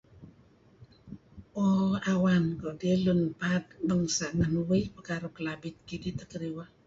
Oo awan kudih lun paad bangsa' ngan uih karuh Kelabit kidih-kidih teh kediweh.